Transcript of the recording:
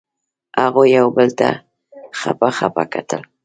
هغوی یو بل ته خپه خپه کتل.